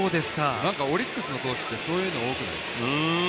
オリックスの投手ってそういうの多くないですか？